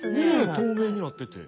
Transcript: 透明になってて。